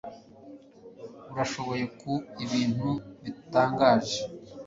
Urashoboye ku ibintu bitangaje.